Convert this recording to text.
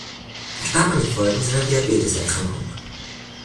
Er starb an den Folgen seiner Diabeteserkrankung.